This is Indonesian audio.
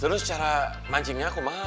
terus cara mancingnya aku mahal